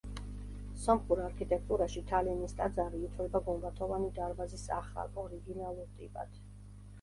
სომხურ არქიტექტურაში თალინის ტაძარი ითვლება გუმბათოვანი დარბაზის ახალ, ორიგინალურ ტიპად.